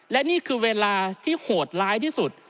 และนี่คือเวลาที่โหดร้ายที่สุด